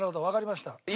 わかりました。